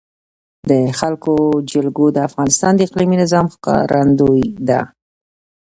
د افغانستان جلکو د افغانستان د اقلیمي نظام ښکارندوی ده.